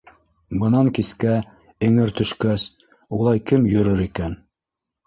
Бынан кискә, эңер төшкәс, улай кем йөрөр икән?